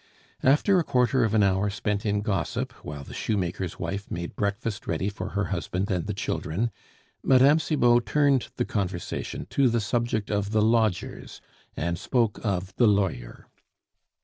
After a quarter of an hour spent in gossip while the shoemaker's wife made breakfast ready for her husband and the children, Mme. Cibot turned the conversation to the subject of the lodgers, and spoke of the lawyer.